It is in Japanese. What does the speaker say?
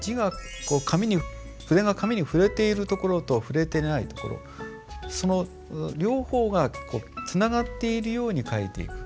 筆が紙に触れているところと触れていないところその両方がつながっているように書いていく。